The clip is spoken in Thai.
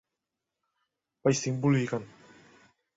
ไปสิงห์บุรีกัน